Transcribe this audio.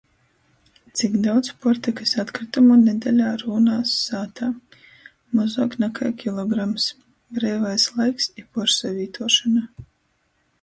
Cik daudz puortykys atkrytumu nedeļā rūnās sātā? Mozuok nakai kilograms. Breivais laiks i puorsavītuošona.